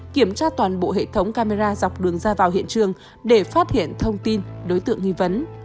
kiểm tra toàn bộ hệ thống camera dọc đường ra vào hiện trường để phát hiện thông tin đối tượng nghi vấn